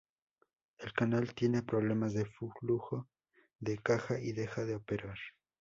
El canal tiene problemas de flujo de caja y deja de operar.